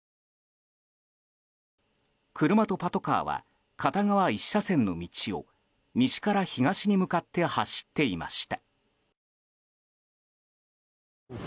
車とパトカーは片側１車線の道を西から東に向かって走っていました。